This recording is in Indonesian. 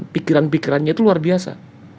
pikiran pikirannya itu luar biasa